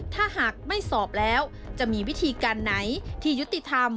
ถ้าหากไม่สอบแล้วจะมีวิธีการไหนที่ยุติธรรม